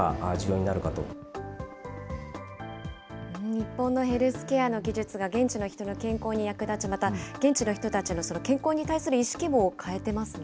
日本のヘルスケアの技術が現地の人の健康に役立ち、また現地の人たちの健康に対する意識も変えてますね。